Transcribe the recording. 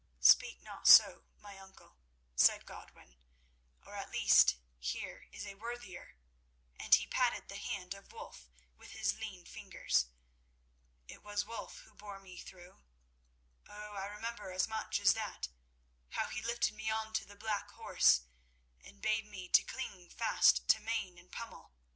"Speak not so, my uncle," said Godwin; "or at least, here is a worthier,"—and he patted the hand of Wulf with his lean fingers. "It was Wulf who bore me through. Oh, I remember as much as that—how he lifted me onto the black horse and bade me to cling fast to mane and pommel.